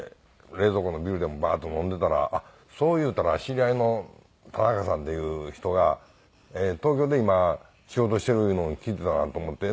冷蔵庫のビールでもバーッと飲んでたらあっそういうたら知り合いのタナカさんっていう人が東京で今仕事してるいうのを聞いてたなと思って。